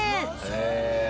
へえ。